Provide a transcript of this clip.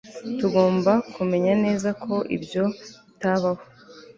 Tugomba kumenya neza ko ibyo bitabaho